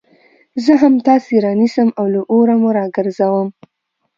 زه هم تاسي رانيسم او له اوره مو راگرځوم